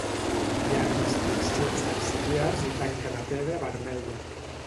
Hi ha construccions auxiliars i tanca de pedra vermella.